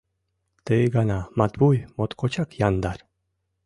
Ты гана Матвуй моткочак яндар.